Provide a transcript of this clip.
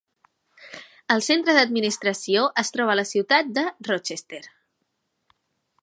El centre d'administració es troba a la ciutat de Rochester.